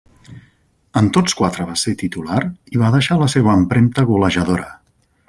En tots quatre va ser titular i va deixar la seua empremta golejadora.